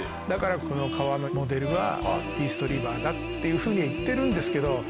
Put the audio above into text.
だからこの川のモデルはイーストリバーだっていうふうには言ってるんですけど。